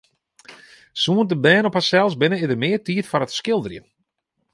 Sûnt de bern op harsels binne, is der mear tiid foar it skilderjen.